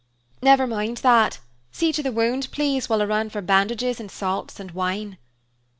"Never mind that. See to the wound, please, while I ran for bandages, and salts, and wine."